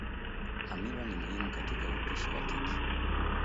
Hamira ni muhimu katika upishi wa keki